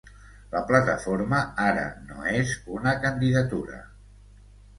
La plataforma ara no és una candidatura.